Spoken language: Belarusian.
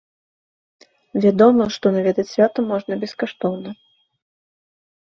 Вядома, што наведаць свята можна бескаштоўна.